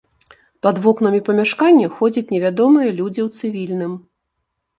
Пад вокнамі памяшкання ходзяць невядомыя людзі ў цывільным.